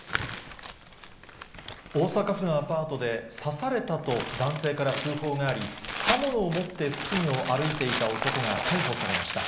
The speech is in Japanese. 大阪府のアパートで、刺されたと男性から通報があり、刃物を持って付近を歩いていた男が逮捕されました。